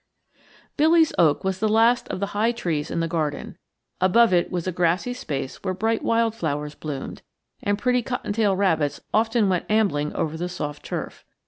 Billy's oak was the last of the high trees in the garden. Above it was a grassy space where bright wild flowers bloomed, and pretty cottontail rabbits often went ambling over the soft turf.